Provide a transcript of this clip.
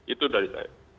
itu dari saya